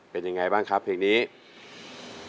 เป็นยังไงบ้างครับเพลงนี้